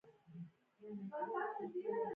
وروسته ټکنۍ او له بشپړ رکود سره مخ شوه.